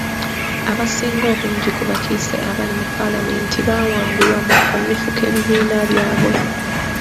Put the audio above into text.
Abasinga obungi ku bakiise abali mu paalamenti baawangulwa mu kamyufu k'ebibiina byabwe.